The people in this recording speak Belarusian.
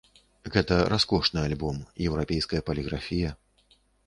Гэта раскошны альбом, еўрапейская паліграфія.